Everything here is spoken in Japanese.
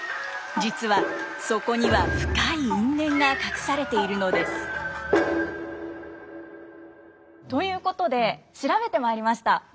実はそこには深い因縁が隠されているのです。ということで調べてまいりました。